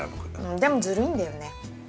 でもずるいんだよね。